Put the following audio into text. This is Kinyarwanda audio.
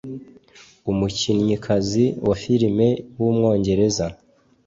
umukinnyikazi wa filime w’umwongereza